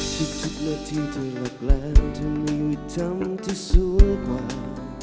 คิดทุกนาทีเธอหลักแล้วเธอมีวิธรรมที่สวยกว่า